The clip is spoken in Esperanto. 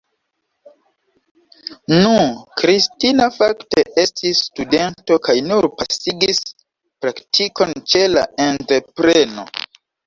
Nu, Kristina fakte estis studento kaj nur pasigis praktikon ĉe la entrepreno.